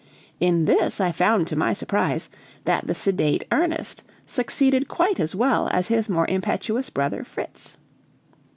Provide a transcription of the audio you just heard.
In this I found to my surprise that the sedate Ernest succeeded quite as well as his more impetuous brother Fritz.